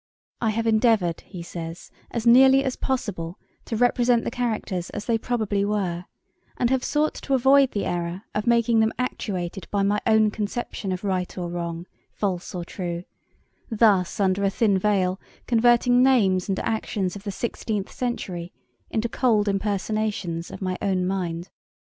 'I have endeavoured,' he says, 'as nearly as possible to represent the characters as they probably were, and have sought to avoid the error of making them actuated by my own conception of right or wrong, false or true: thus under a thin veil converting names and actions of the sixteenth century into cold impersonations of my own mind.